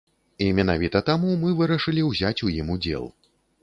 І менавіта таму мы вырашылі ўзяць у ім удзел.